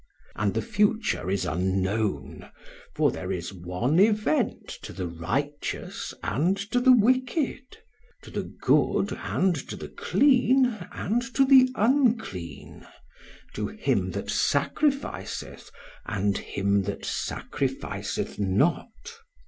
And the future is unknown, for there is one event to the righteous and to the wicked; to the good, and to the clean, and to the unclean; to him that sacrificeth and him that sacrificeth not.